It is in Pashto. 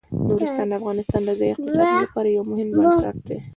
نورستان د افغانستان د ځایي اقتصادونو لپاره یو مهم بنسټ دی.